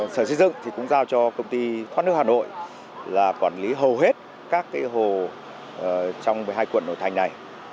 sở xây dựng cũng giao cho công ty thoát nước hà nội là quản lý hầu hết các hồ trong một mươi hai quận nội thành này